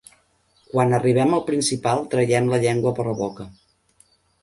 Quan arribem al principal traiem la llengua per la boca.